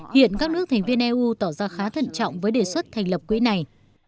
hiện các nước thành viên eu tỏ ra khá thận trọng với đề xuất thành lập quỹ này